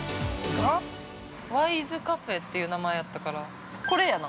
ワイズカフェっていう名前やったから、これやな。